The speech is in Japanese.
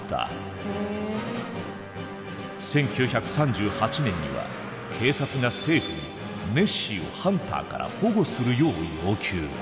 １９３８年には警察が政府にネッシーをハンターから保護するよう要求。